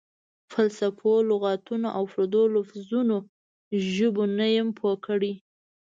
فلسفو، لغاتو او پردو لفظونو ژبو نه یم پوه کړی.